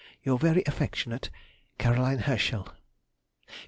Your very affectionate CAR. HERSCHEL.